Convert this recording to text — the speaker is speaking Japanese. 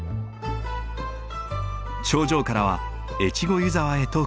頂上からは越後湯沢へと下る。